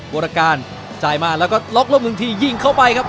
วรการจ่ายมาแล้วก็ล็อกร่มหนึ่งทียิงเข้าไปครับ